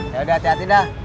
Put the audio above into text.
yaudah hati hati dah